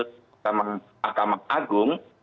bersama akamak agung